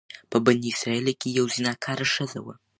په بني اسرائيلو کي يوه زناکاره ښځه وه،